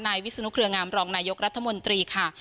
วิศนุเครืองามรองนายกรัฐมนตรีค่ะ